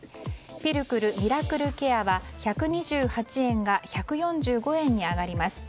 ピルクルミラクルケアは１２８円が１４５円に上がります。